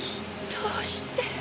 どうして。